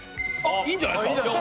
いいんじゃないですか？